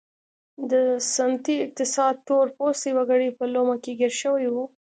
د سنتي اقتصاد تور پوستي وګړي په لومه کې ګیر شوي وو.